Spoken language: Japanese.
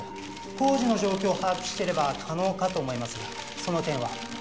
工事の状況を把握していれば可能かと思いますがその点は？